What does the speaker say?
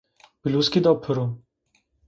Biluskî da piro